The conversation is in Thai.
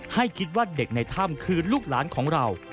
ให้คิดว่าเด็กในถ้ำคือลูกหลานของเรา